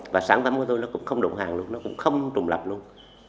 và sản phẩm của tôi nó cũng không đụng hàng luôn nó cũng không trùng lập luôn